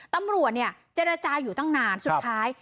ตำรวจเนี่ยเจรจาอยู่ตั้งนานสุดท้าย